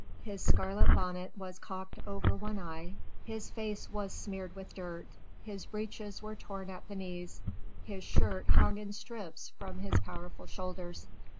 His scarlet bonnet was cocked over one eye, his face was smeared with dirt, his breeches were torn at the knees, his shirt hung in strips from his powerful shoulders.